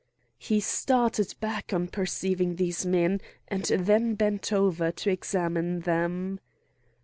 He started back on perceiving these men, and then bent over to examine them.